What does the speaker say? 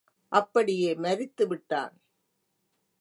அப்படியே மரித்து விட்டான்!